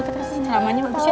terus ceramahnya bagus ya